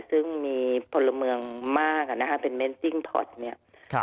ซึ่งมีพลเมืองมากเป็นเม้นติ้งถอดเนี่ย